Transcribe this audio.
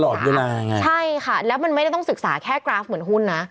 เวลาไงใช่ค่ะแล้วมันไม่ได้ต้องศึกษาแค่กราฟเหมือนหุ้นนะ